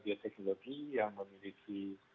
bioteknologi yang memiliki